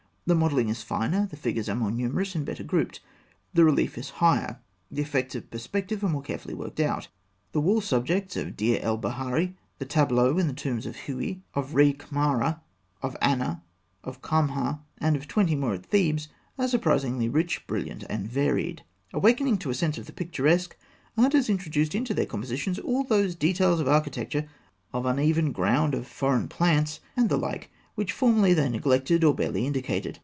The modelling is finer; the figures are more numerous and better grouped; the relief is higher; the effects of perspective are more carefully worked out. The wall subjects of Deir el Baharî, the tableaux in the tombs of Hûi, of Rekhmara, of Anna, of Khamha, and of twenty more at Thebes, are surprisingly rich, brilliant, and varied. Awakening to a sense of the picturesque, artists introduced into their compositions all those details of architecture, of uneven ground, of foreign plants, and the like, which formerly they neglected, or barely indicated.